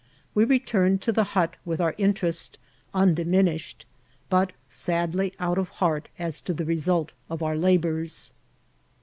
We returned to the hut with our interest undiminished, but sadly out ot heart as to the result of our labours.